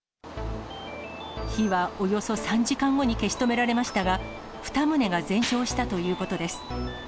火はおよそ３時間後に消し止められましたが、２棟が全焼したということです。